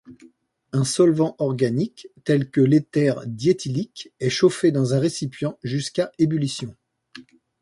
Un solvant organique tel que l'éther diéthylique est chauffé dans un récipient jusqu'à ébullition.